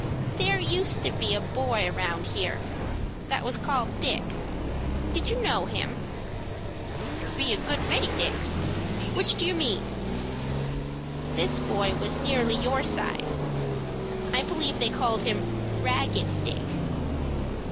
"There used to be a boy around here that was called Dick. Did you know him?" "There be a good many Dicks. Which did you mean?" "This boy was nearly your size. I believe they called him 'Ragged Dick.'"